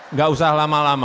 nggak usah lama lama